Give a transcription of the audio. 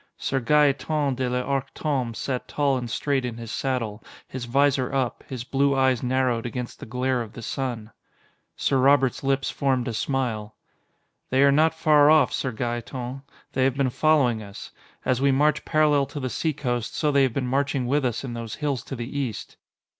Sir Gaeton de l'Arc Tombé sat tall and straight in his saddle, his visor up, his blue eyes narrowed against the glare of the sun. Sir Robert's lips formed a smile. "They are not far off, Sir Gaeton. They have been following us. As we march parallel to the seacoast, so they have been marching with us in those hills to the east."